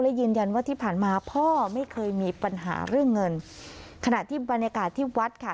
และยืนยันว่าที่ผ่านมาพ่อไม่เคยมีปัญหาเรื่องเงินขณะที่บรรยากาศที่วัดค่ะ